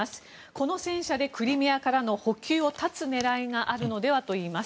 この戦車でクリミアからの補給を断つ狙いがあるのではといいます。